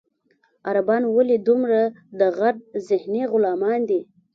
عربان ولې دومره د غرب ذهني غلامان دي.